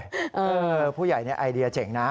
เออผู้ใหญ่เนี่ยไอเดียเจ๋งนะ